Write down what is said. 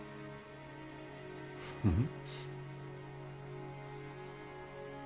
うん？